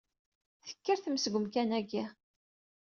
Tekker temmes deg umkan-agi!